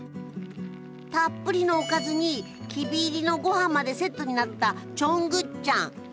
たっぷりのおかずにきび入りの御飯までセットになったチョングッチャン。